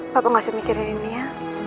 papa gak usah mikirin ini ya